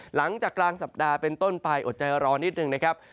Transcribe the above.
หลังจากกลางสัปดาห์เป็นต้นไปอดใจรอนิดหนึ่งนะครับ